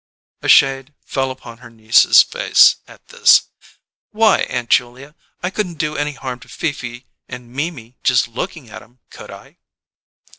A shade fell upon her niece's face at this. "Why, Aunt Julia, I couldn't do any harm to Fifi and Mimi just lookin' at 'em, could I?"